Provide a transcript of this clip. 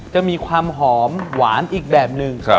จะมีความหอมหวานอีกแบบหนึ่ง